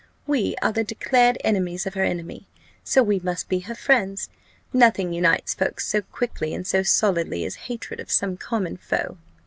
We are the declared enemies of her enemy, so we must be her friends. Nothing unites folk so quickly and so solidly, as hatred of some common foe."